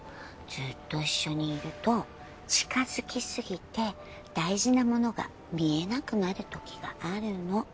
ずっと一緒にいると近づきすぎて大事なものが見えなくなるときがあるの。